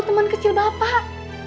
itu teman kecil bapak